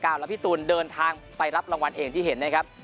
แล้วพี่ตูนเดินทางไปรับรางวัลเองที่เห็นนะครับ